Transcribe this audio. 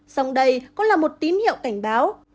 dòng đây cũng là một tín hiệu cảnh báo